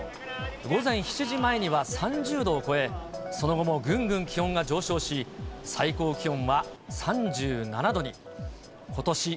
午前７時前には３０度を超え、その後もぐんぐん気温が上昇し、最高気温は３７度に。